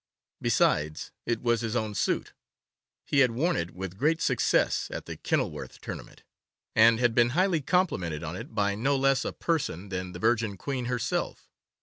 Besides, it was his own suit. He had worn it with great success at the Kenilworth tournament, and had been highly complimented on it by no less a person than the Virgin Queen herself.